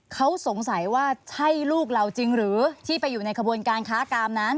เขาสงสัยว่าใช่ลูกเราจริงหรือที่ไปอยู่ในขบวนการค้ากามนั้น